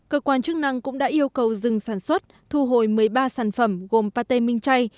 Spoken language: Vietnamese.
cơ quan chức năng cũng đã yêu cầu dừng sản xuất thu hồi một mươi ba sản phẩm gồm pate minh chay